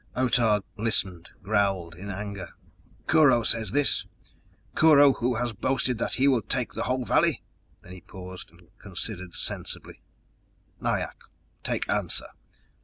Otah listened, growled in anger. "Kurho says this? Kurho, who has boasted that he will take the whole valley?" Then he paused and considered sensibly. "Mai ak, take answer.